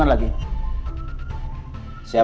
whasil makam alamin azrul